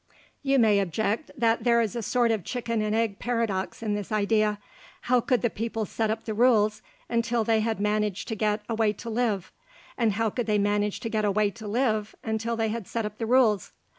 You may object that there is a sort of chicken and egg paradox in this idea. How could the people set up the rules until they had managed to get a way to live, and how could they manage to get a way to live until they had set up the rules?